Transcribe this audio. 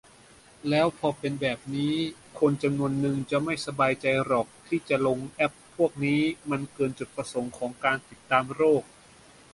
แล้วพอเป็นแบบนี้ คนจำนวนนึงจะไม่สบายใจหรอกที่จะลงแอปพวกนี้ มันเกินจุดประสงค์ของการติดตามโรค